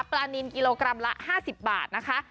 ปลานินกิโลกรัมละ๕๐บาทนะคะ